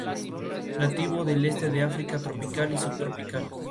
Nativo del este de África tropical y subtropical.